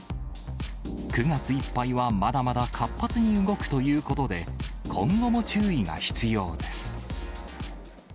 ９月いっぱいはまだまだ活発に動くということで、今後も注意が必要です。